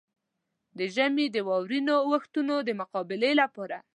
د ژمي د واورينو اورښتونو د مقابلې لپاره.